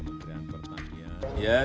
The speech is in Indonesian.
ya saya ingin mencari